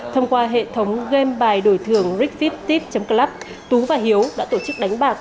thông qua hệ thống game bài đổi thường rigviptip club tú và hiếu đã tổ chức đánh bạc